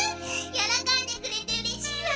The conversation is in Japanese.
よろこんでくれてうれしいわ！